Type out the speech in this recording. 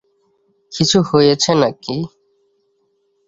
কিছু হয়েছে নাকি?